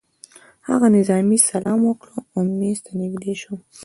هغه نظامي سلام وکړ او مېز ته نږدې شو